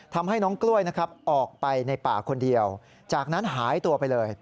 ทำให้น้องกล้วยนะครับออกไปในป่าคนเดียวจากนั้นหายตัวไปเลย